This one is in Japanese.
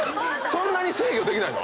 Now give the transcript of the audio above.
そんなに制御できないの？